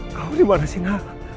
kamu dimana sina